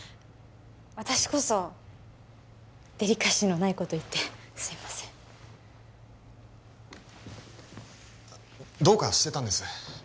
私こそデリカシーのないこと言ってすいませんどうかしてたんです